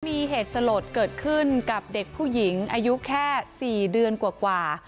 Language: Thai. มีเหตุสลดเกิดขึ้นกับเด็กผู้หญิงอายุแค่๔เดือนกว่า